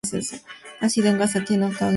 Nacido en Gaza, tiene ceguera parcial.